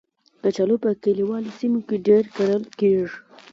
کچالو په کلیوالو سیمو کې ډېر کرل کېږي